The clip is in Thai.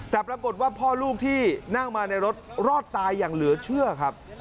แต่ปรากฏว่าพ่อลูกที่นั่งมาในรถรอดตายอย่างเหลือเชื่อครับ